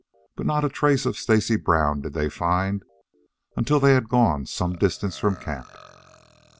But not a trace of Stacy Brown did they find, until they had gone some distance from camp.